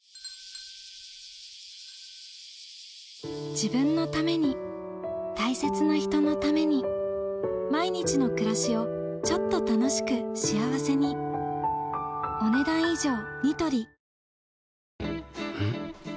自分のために大切な人のために毎日の暮らしをちょっと楽しく幸せに部屋干しクサくなりそう。